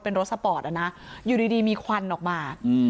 เป็นรถสปอร์ตนะอยู่ดีมีควันออกมา